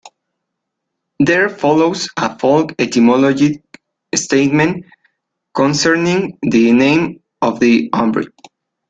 There follows a folk-etymologic statement concerning the name of the Umbri.